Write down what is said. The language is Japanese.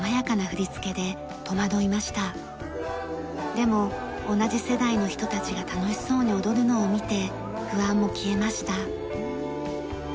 でも同じ世代の人たちが楽しそうに踊るのを見て不安も消えました。